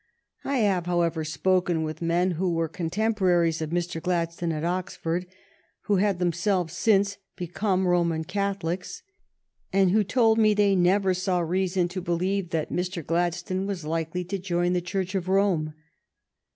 152 THE STORY OF GLADSTONE'S LIFE I have, however, spoken with men who were con temporaries of Mr. Gladstone at Oxford, who had themselves since become Roman Catholics, and who told me they never saw reason to believe that Mr. Gladstone was likely to join the Church of Rome.